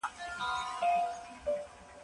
دولت بايد د خلګو د هوساينې لپاره کار وکړي.